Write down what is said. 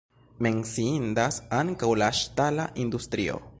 Menciindas ankaŭ la ŝtala industrio.